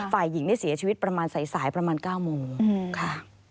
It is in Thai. ฝ่ายหญิงเสียชีวิตใส่ประมาณ๙โมงค่ะ